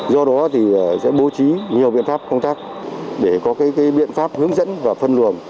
do đó sẽ bố trí nhiều biện pháp công tác để có biện pháp hướng dẫn và phân luồng